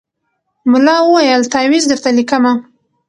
ملا وویل تعویذ درته لیکمه